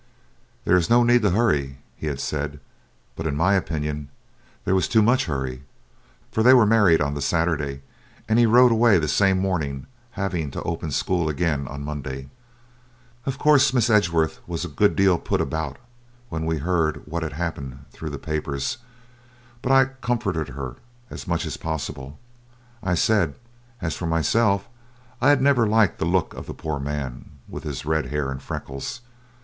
"'There is no need to hurry,' he had said, but in my opinion there was too much hurry, for they were married on the Saturday, and he rode away the same morning having to open school again on Monday. "Of course, Miss Edgeworth was a good deal put about when we heard what had happened, through the papers, but I comforted her as much as possible. I said, 'as for myself, I had never liked the look of the poor man with his red hair and freckles.